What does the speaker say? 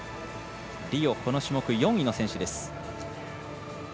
リオ、この種目４位の選手。